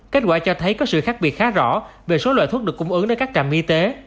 kết quả cho thấy có sự khác biệt khá rõ về số loại thuốc được cung ứng đến các trạm y tế